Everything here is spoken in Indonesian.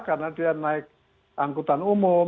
karena dia naik angkutan umum